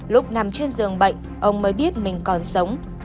lúc nằm trên giường bệnh ông mới biết mình còn sống